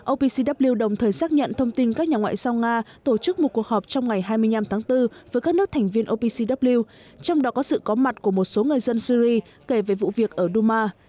opcw đồng thời xác nhận thông tin các nhà ngoại giao nga tổ chức một cuộc họp trong ngày hai mươi năm tháng bốn với các nước thành viên opcw trong đó có sự có mặt của một số người dân syri kể về vụ việc ở duma